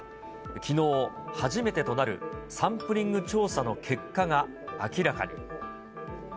きのう、初めてとなるサンプリング調査の結果が明らかに。